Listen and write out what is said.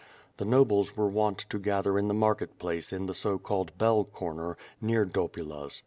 The nobles were wont to gather in the market place in the so called Bell corner, near Dopula's.